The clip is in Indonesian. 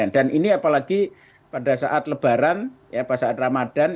dan ini apalagi pada saat lebaran pada saat ramadhan